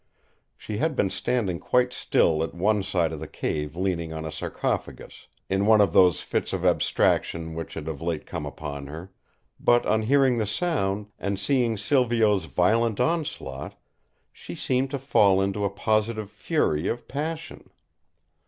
She had been standing quite still at one side of the cave leaning on a sarcophagus, in one of those fits of abstraction which had of late come upon her; but on hearing the sound, and seeing Silvio's violent onslaught, she seemed to fall into a positive fury of passion.